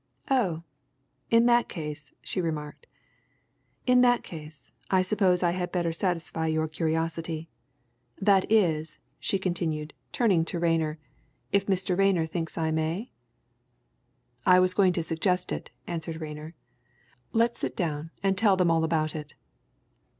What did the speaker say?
"Oh! in that case," she remarked, "in that case, I suppose I had better satisfy your curiosity. That is," she continued, turning to Rayner, "if Mr. Rayner thinks I may?" "I was going to suggest it," answered Rayner. "Let's sit down and tell them all about it."